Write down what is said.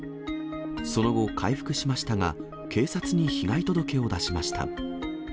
その後、回復しましたが、警察に被害届を出しました。